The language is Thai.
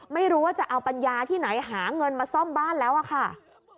ไม่รู้ว่าจะเอาปัญญาที่ไหนหาเงินมาซ่อมบ้านแล้วอะค่ะ